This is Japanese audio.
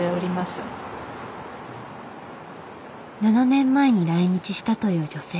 ７年前に来日したという女性。